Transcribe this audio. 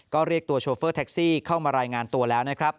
ก็เรียกตัวโชเฟอร์แท็กซี่เข้ามารายงานตัวแล้วนะครับ